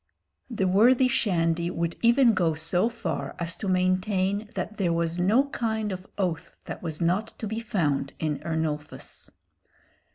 The worthy Shandy would even go so far as to maintain that there was no kind of oath that was not to be found in Ernulphus.